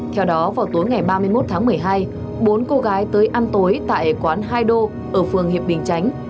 theo đó vào tối ngày ba mươi một tháng một mươi hai bốn cô gái tới ăn tối tại quán hai đô ở phường hiệp bình chánh